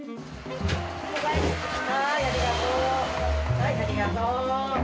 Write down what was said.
はいありがとう。